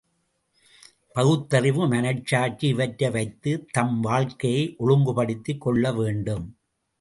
பகுத்தறிவு, மனச்சாட்சி இவற்றை வைத்துத் தம் வாழ்க்கையை ஒழுங்குபடுத்திக் கொள்ளவேண்டும்.